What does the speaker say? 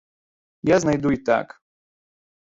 Я знайду і так.